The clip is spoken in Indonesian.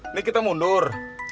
ini kita mundur